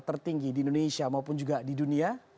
tertinggi di indonesia maupun juga di dunia